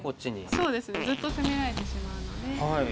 そうですねずっと攻められてしまうので。